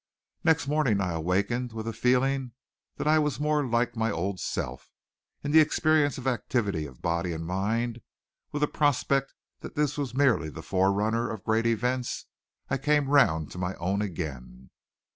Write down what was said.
Next morning I awakened with a feeling that I was more like my old self. In the experience of activity of body and mind, with a prospect that this was merely the forerunner of great events, I came round to my own again.